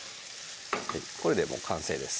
これでもう完成です